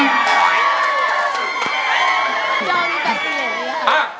จำกับหน่อยค่ะ